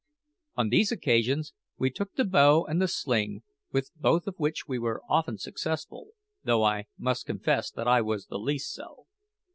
On these occasions we took the bow and the sling, with both of which we were often successful, though I must confess that I was the least so.